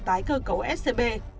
tái cơ cấu scb